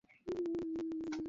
তখন কি করবো?